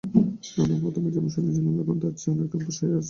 না না, প্রথমে যেমন শুনিয়াছিলাম, এখন তার চেয়ে অনেকটা অভ্যাস হইয়া আসিয়াছে।